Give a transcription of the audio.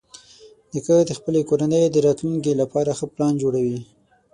نیکه د خپلې کورنۍ د راتلونکي لپاره ښه پلان جوړوي.